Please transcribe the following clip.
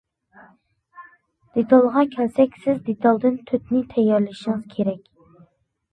دېتالغا كەلسەك سىز دېتالدىن تۆتنى تەييارلىشىڭىز كېرەك.